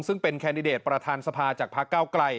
ซึ่งเป็นแคนดิเดตประธานสภาจากพระเก้าไกล